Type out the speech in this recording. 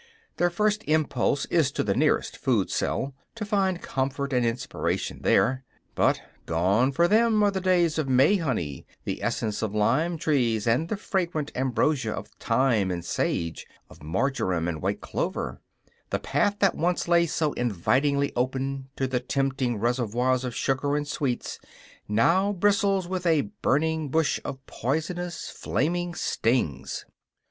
Their first impulse is to the nearest food cell, to find comfort and inspiration there. But gone for them are the days of May honey, the essence of lime trees and the fragrant ambrosia of thyme and sage, of marjoram and white clover; the path that once lay so invitingly open to the tempting reservoirs of sugar and sweets now bristles with a burning bush of poisonous, flaming stings.